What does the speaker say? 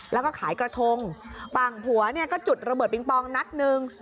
แล้วก็ขายกระทงฝั่งผัวเนี่ยก็จุดระเบิดปิงปองนัดหนึ่ง